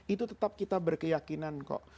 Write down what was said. itu tetap kita berkeyakinan kok